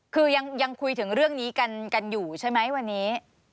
คือยังคุยถึงเรื่องนี้กันอยู่ใช่ไหมวันนี้